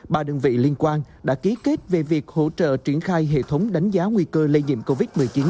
ba đơn vị liên quan đã ký kết về việc hỗ trợ triển khai hệ thống đánh giá nguy cơ lây nhiễm covid một mươi chín